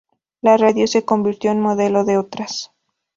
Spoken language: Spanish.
La radio se convirtió en modelo de otras.